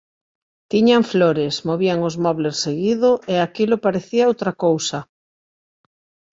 tiñan flores, movían os mobles seguido e aquilo parecía outra cousa.